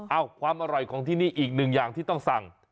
ความอร่อยของที่นี่อีกหนึ่งอย่างที่ต้องสั่ง